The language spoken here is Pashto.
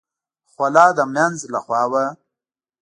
خوله د مينځ له خوا وه.